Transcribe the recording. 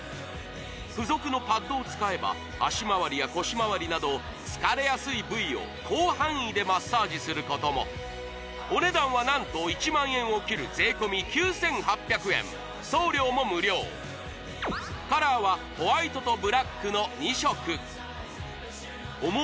付属のパッドを使えば足まわりや腰まわりなど疲れやすい部位を広範囲でマッサージすることもお値段は何と１万円を切るカラーはホワイトとブラックの２色その反応は？